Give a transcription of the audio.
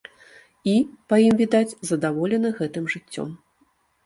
І, па ім відаць, задаволены гэтым жыццём.